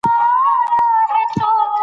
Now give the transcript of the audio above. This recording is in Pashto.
خپلې ګټې سمې نشي پېژندلای.